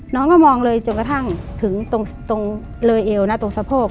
น้องก็มองเลยจนกระทั่งถึงตรงเลยเอวนะตรงสะโพก